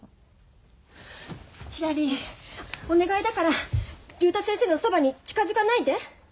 ひらりお願いだから竜太先生のそばに近づかないで。